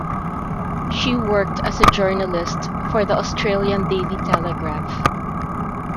She worked as a journalist for the Australian "Daily Telegraph".